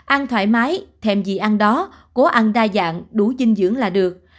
ăn thoải mái thêm gì ăn đó cố ăn đa dạng đủ dinh dưỡng là được